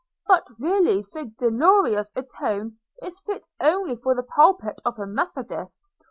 But really so dolorous a tone is fit only for the pulpit of a methodist.